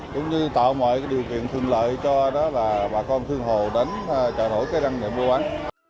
cũng như tạo mọi điều kiện thương lợi cho bà con thương hồ đến chợ nổi cái răng để mua bán